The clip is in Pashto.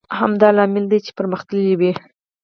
همدا لامل دی چې پرمختللی وي.